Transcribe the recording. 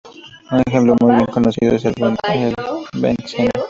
Un ejemplo muy bien conocido es el benceno.